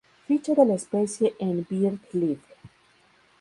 Ficha de la especie en BirdLife